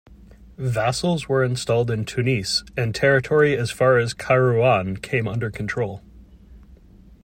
Vassals were installed in Tunis and territory as far as Kairouan came under control.